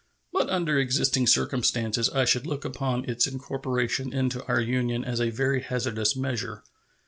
But under existing circumstances I should look upon its incorporation into our Union as a very hazardous measure.